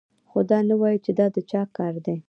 خو دا نه وايي چې دا د چا کار دی